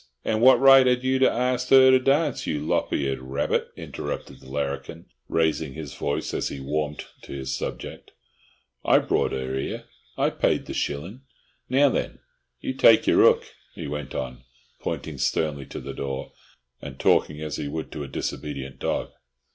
And what right 'ad you to arst 'er to darnce, you lop eared rabbit?" interrupted the larrikin, raising his voice as he warmed to his subject. "I brought 'er 'ere. I paid the shillin'. Now then, you take your 'ook," he went on, pointing sternly to the door, and talking as he would to a disobedient dog.